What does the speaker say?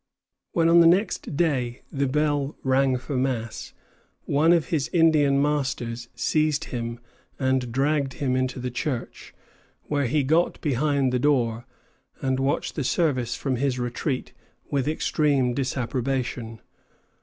When on the next day the bell rang for mass, one of his Indian masters seized him and dragged him into the church, where he got behind the door, and watched the service from his retreat with extreme disapprobation.